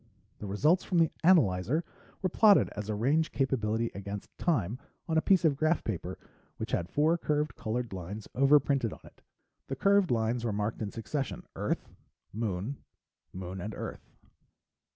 The results from the analyzer were plotted as range capability against time on a piece of graph paper which had four curved colored lines overprinted on it. The curved lines were marked in succession: "Earth," "Moon," "Moon" and "Earth."